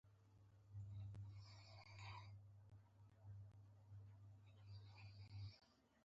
په پنجشنبې شپه د غیږ نیونې سیالۍ وي.